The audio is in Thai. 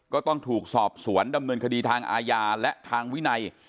ก็ต้องถูกสอบสวนดำเนินคดีทางอาญาและทางวินัย